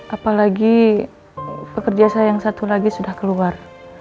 apalagi pekerja saya yang satu lagi sudah keluar